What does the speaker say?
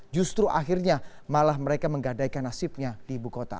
justru akhirnya malah mereka menggadaikan nasibnya di ibu kota